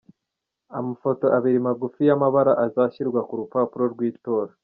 Amafoto abiri magufi y’amabara azashyirwa ku rupapuro rw’itora.